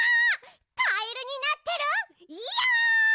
カエルになってるよ！